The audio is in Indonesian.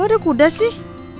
kok ada kuda sih